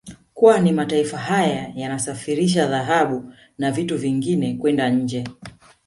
Kwani mataifa haya yanasafirisha dhahabu na vitu vingine kwenda nje